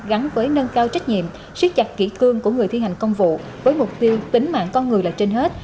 gắn với nâng cao trách nhiệm siết chặt kỷ cương của người thi hành công vụ với mục tiêu tính mạng con người là trên hết